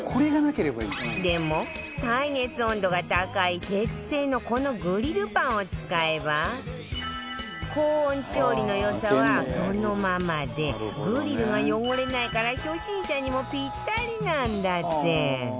でも耐熱温度が高い鉄製のこのグリルパンを使えば高温調理の良さはそのままでグリルが汚れないから初心者にもぴったりなんだって